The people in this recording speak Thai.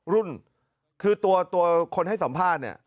รุ่นคือตัวคนให้สัมภาษณ์เนี่ย